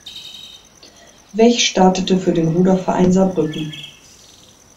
Wech startete für den Ruderverein Saarbrücken.